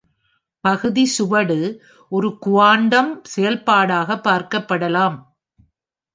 பகுதி சுவடு ஒரு குவாண்டம் செயல்பாடாக பார்க்கப்படலாம்.